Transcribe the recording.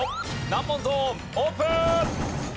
難問ゾーンオープン！